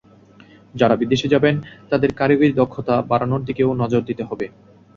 যাঁরা বিদেশে যাবেন, তাঁদের কারিগরি দক্ষতা বাড়ানোর দিকেও নজর দিতে হবে।